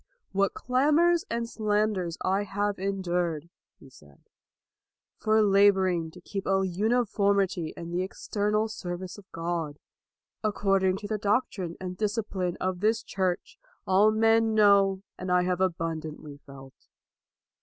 What clamors and slanders I have endured,' 1 he said, " for laboring to keep a uniformity in the external service of God, according to the doctrine and discipline of this Church, all men know and I have abun dantly felt."